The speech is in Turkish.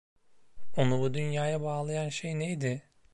Onu bu dünyaya bağlayan şey neydi?